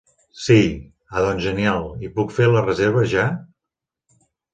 Sí, ah doncs genial, i puc fer la reserva ja?